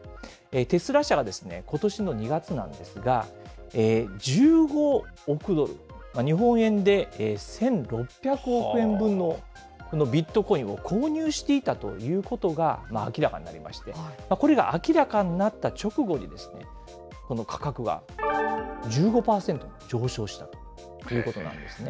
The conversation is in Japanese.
テスラ社がことしの２月なんですが、１５億ドル、日本円で１６００億円分のビットコインを購入していたということが明らかになりまして、これが明らかになった直後に、この価格が１５％上昇したということなんですね。